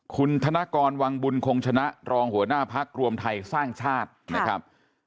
คุณธนกรวังบุญคงชนะรองหัวหน้าพักรวมไทยสร้างชาตินะครับ